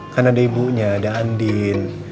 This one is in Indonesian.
kan ada ibunya ada andin